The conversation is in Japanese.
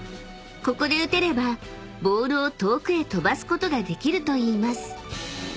［ここで打てればボールを遠くへ飛ばすことができるといいます］